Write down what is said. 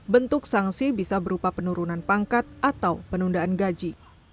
bentuk sanksi bisa berupa penurunan pangkat atau penundaan gaji